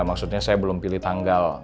maksudnya saya belum pilih tanggal